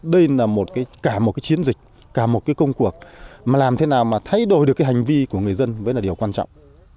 đây là cả một cái chiến dịch cả một cái công cuộc mà làm thế nào mà thay đổi được cái hành vi của người dân vẫn là điều quan trọng